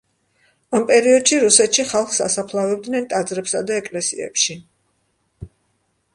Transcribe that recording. ამ პერიოდში რუსეთში ხალხს ასაფლავებდნენ ტაძრებსა და ეკლესიებში.